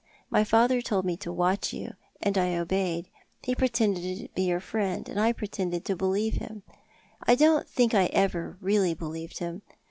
My father told me to watch you, and I obeyed. He pretended to be your friend, and I pretended to believe him. I don't think I ever really believed him.